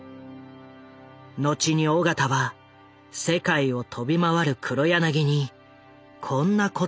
後に緒方は世界を飛び回る黒柳にこんな言葉をかけたという。